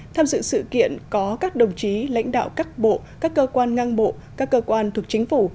tham dự sự kiện có các đồng chí lãnh đạo các bộ các cơ quan ngang bộ các cơ quan thuộc chính phủ